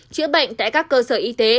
chữa bệnh tại các cơ sở y tế